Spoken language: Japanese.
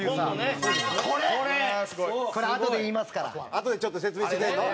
あとでちょっと説明してくれんの？